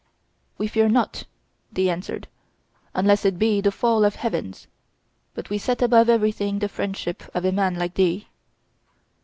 "We fear nought," they answered, "unless it be the fall of heaven; but we set above everything the friendship of a man like thee."